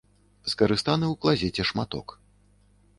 Скарыстаны ў клазеце шматок.